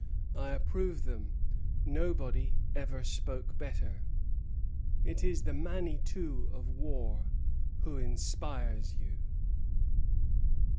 I approve them. Nobody ever spoke better. It is the Manitou of War who inspires you."